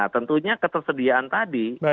tentunya ketersediaan tadi